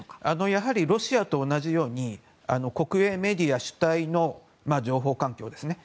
やはりロシアと同じように国営メディア主体の情報環境ですね。